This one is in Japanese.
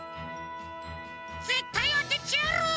ぜったいあててやる！